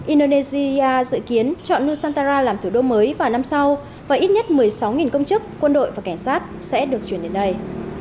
indonesia dự kiến chọn nusantara làm thủ đô mới vào năm sau và ít nhất một mươi sáu công chức quân đội và cảnh sát sẽ được chuyển đến đây